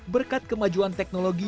berkat kemajuan teknologi